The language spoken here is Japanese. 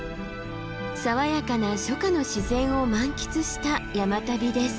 爽やかな初夏の自然を満喫した山旅です。